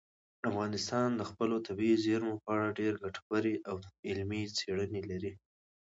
افغانستان د خپلو طبیعي زیرمو په اړه ډېرې ګټورې او علمي څېړنې لري.